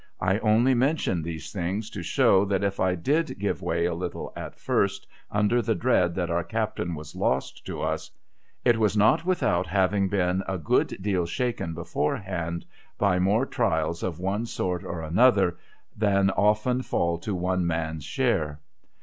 I only mention these things to show that if I did give way a little at first, under the dread that our captain was lost to us, it was not without having been a good deal shaken beforehand by more trials of one sort or another than often fall to one man's share.